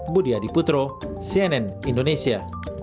budi adiputro cnn indonesia